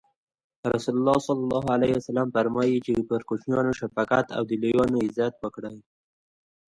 رسول الله ص فرمایي: چی پر کوچنیانو شفقت او او د لویانو عزت وکړي.